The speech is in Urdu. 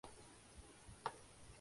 سٹیج ون کینسر کی تشخیص ہوئی ہے۔